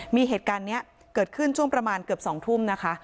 มีเหตุการณ์นี้เกิดขึ้นช่วงประมาณเกือบ๒ทุ่มนะคะ